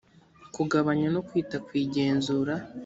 kugabanya no kwita ku igenzura